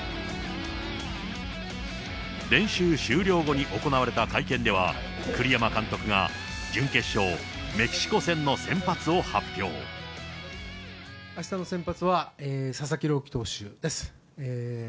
練習終了後に行われた会見では、栗山監督が準決勝、あしたの先発は、佐々木朗希投手です。